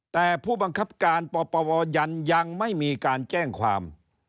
แต่ผู้บังคับการปปวยันยังไม่มีการแจ้งความ